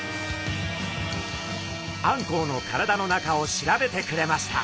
あんこうの体の中を調べてくれました。